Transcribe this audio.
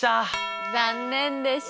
残念でした。